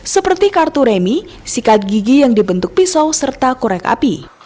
seperti kartu remi sikat gigi yang dibentuk pisau serta korek api